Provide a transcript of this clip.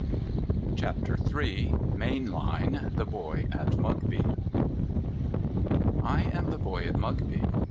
CHAPTER III MAIN LINE: THE BOY AT MUGBY '., I AM the boy at Mugby.